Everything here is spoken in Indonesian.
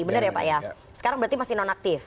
benar ya pak ya sekarang berarti masih nonaktif